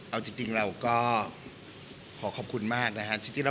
เอาจริงเราก็ขอขอบคุณมากนะฮะ